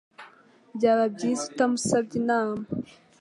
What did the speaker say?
Byaba byiza utamusabye inama.